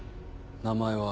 名前は。